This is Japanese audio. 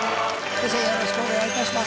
よろしくお願いします。